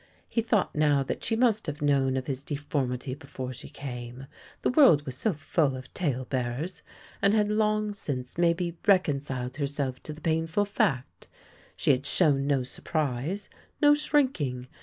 He thought now that she must have known of his deformity before she came — the world was so full of tale bearers! and had long since maybe reconciled herself to the painful fact. She had shown no surprise, no shrinking.